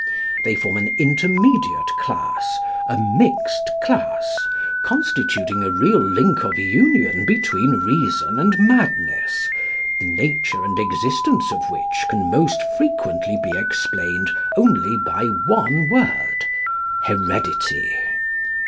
They form an intermediate class, a mixed class, constituting a real link of union between reason and madness, the nature and existence of which can most frequently be explained only by one word: Heredity" (p.